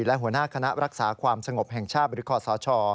และหัวหน้าคณะรักษาความสงบแห่งชาติหรือคอสช